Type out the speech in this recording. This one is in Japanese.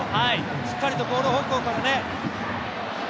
しっかりとゴール方向からね。